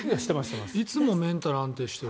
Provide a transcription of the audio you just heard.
いつもメンタルが安定している。